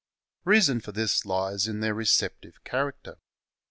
Reason for this lies in their receptive character.